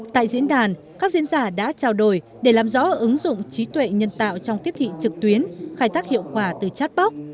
tại diễn đàn các diễn giả đã trao đổi để làm rõ ứng dụng trí tuệ nhân tạo trong tiếp thị trực tuyến khai thác hiệu quả từ chatbox